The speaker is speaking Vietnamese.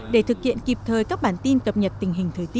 để thực hiện kịp thời các bản tin cập nhật